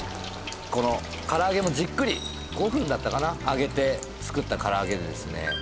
このからあげもじっくり５分だったかな揚げて作ったからあげでですね